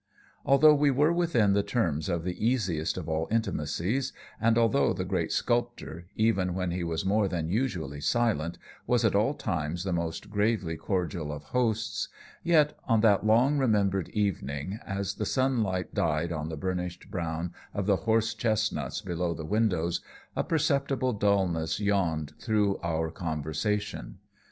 Although we were within the terms of the easiest of all intimacies, and although the great sculptor, even when he was more than usually silent, was at all times the most gravely cordial of hosts, yet, on that long remembered evening, as the sunlight died on the burnished brown of the horse chestnuts below the windows, a perceptible dullness yawned through our conversation.